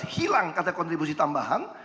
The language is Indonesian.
hilang kata kontribusi tambahan